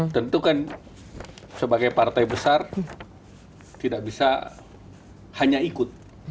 tentu kan sebagai partai besar tidak bisa hanya ikut